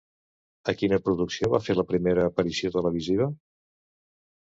A quina producció va fer la primera aparició televisiva?